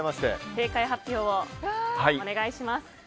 正解発表をお願いします。